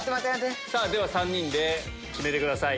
では３人で決めてください。